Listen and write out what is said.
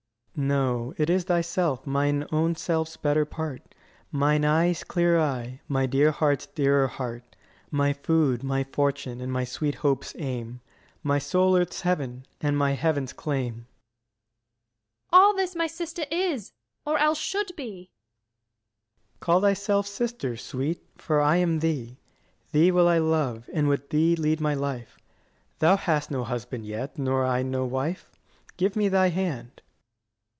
Ant. S. No; 60 It is thyself, mine own self's better part, Mine eye's clear eye, my dear heart's dearer heart, My food, my fortune, and my sweet hope's aim, My sole earth's heaven, and my heaven's claim. Luc. All this my sister is, or else should be. 65 Ant. S. Call thyself sister, sweet, for I am thee. Thee will I love, and with thee lead my life: Thou hast no husband yet, nor I no wife. Give me thy hand.